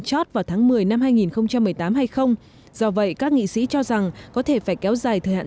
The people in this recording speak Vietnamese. chót vào tháng một mươi năm hai nghìn một mươi tám hay không do vậy các nghị sĩ cho rằng có thể phải kéo dài thời hạn